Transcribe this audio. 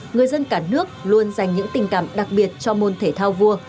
người dân cả nước luôn dành những tình cảm đặc biệt cho môn thể thao vua